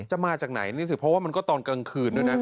มาจากไหนนี่สิเพราะว่ามันก็ตอนกลางคืนด้วยนะ